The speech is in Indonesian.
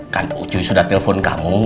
kan ucuy sudah telpon kamu